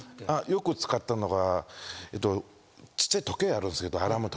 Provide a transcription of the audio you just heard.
よく使ったのがちっちゃい時計あるんですけど。